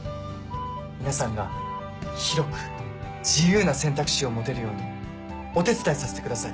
皆さんが広く自由な選択肢を持てるようにお手伝いさせてください。